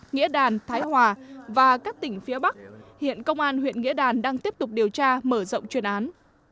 nghĩa đàn thái hòa và các tỉnh phía bắc hiện công an huyện nghĩa đàn đang tiếp tục điều tra mở rộng chuyên án